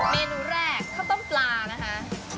เมนูแรกข้าวต้มปลานะคะ